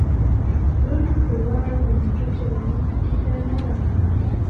ورور مې په لوړ غږ د موټر چلوونکي ته ناره کړه.